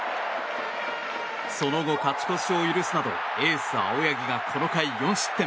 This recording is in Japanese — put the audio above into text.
その後、勝ち越しを許すなどエース、青柳がこの回４失点。